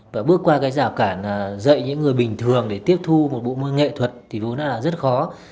và bước qua cái rào cản dạy những người bình thường để tiếp thu một bộ môn nghệ thuật thì vốn là rất khó